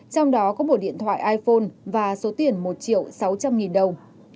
trong đó có một điện thoại iphone và số tiền một triệu sáu trăm linh nghìn đồng